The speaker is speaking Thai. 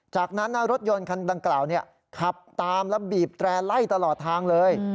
จากนั้นรถยนต์คันดังกล่าวขับตามและบีบแตร่ไล่ตลอดทางเลย